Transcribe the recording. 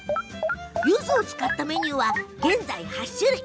ゆずを使ったメニューは現在８種類。